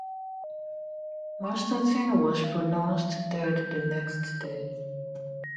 Masterton was pronounced dead the next day.